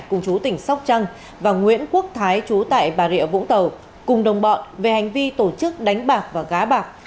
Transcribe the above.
cùng chú tỉnh sóc trăng và nguyễn quốc thái chú tại bà rịa vũng tàu cùng đồng bọn về hành vi tổ chức đánh bạc và gá bạc